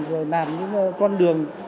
rồi làm những con đường